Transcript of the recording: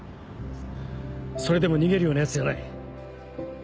それでも逃げるようなヤツじゃない。